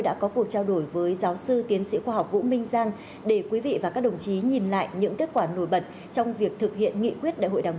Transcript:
vâng thưa giáo sư tiến sĩ khoa học vũ minh giang và kính thưa quý vị khán giả